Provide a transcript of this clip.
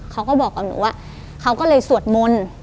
เขาก็บอกกับหนูว่าเขาก็เลยสวดมนต์